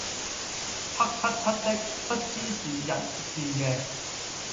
黑漆漆的，不知是日是夜。